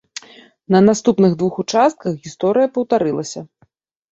На наступных двух участках гісторыя паўтарылася.